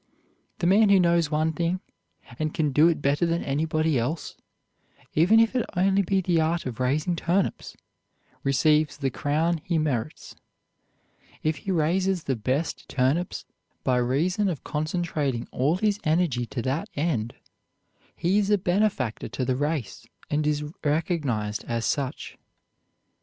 The man who knows one thing, and can do it better than anybody else, even if it only be the art of raising turnips, receives the crown he merits. If he raises the best turnips by reason of concentrating all his energy to that end, he is a benefactor to the race, and is recognized as such.